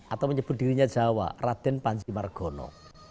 atau menyebut dirinya jawa raden panji margono